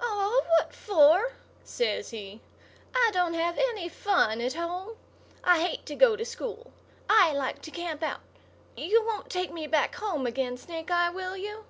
"Aw, what for?" says he. "I don't have any fun at home. I hate to go to school. I like to camp out. You won't take me back home again, Snake eye, will you?"